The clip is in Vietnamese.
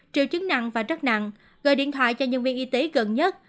triệu chứng nặng và rất nặng gọi điện thoại cho nhân viên y tế gần nhất